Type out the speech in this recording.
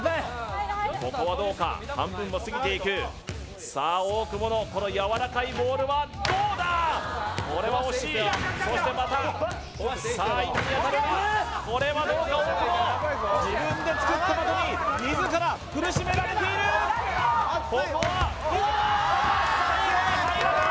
ここはどうか半分を過ぎていく大久保のこのやわらかいボールはどうだこれは惜しいそしてまたさあインに当たるがこれはどうか大久保自分で作った的に自ら苦しめられているここはおおっ最後は入らない